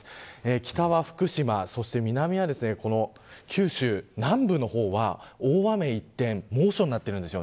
北は福島そして南は九州、南部の方は大雨一転猛暑になっているんです。